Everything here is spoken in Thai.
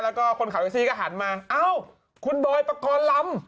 แล้วก็คนขับแท็กซี่ก็หันมาเอ้าคุณบอยปกรณ์ลำ